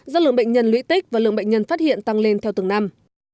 do lượng bệnh nhân lũy tích và lượng bệnh nhân phát hiện tăng lên theo từng năm